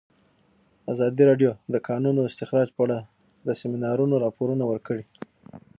ازادي راډیو د د کانونو استخراج په اړه د سیمینارونو راپورونه ورکړي.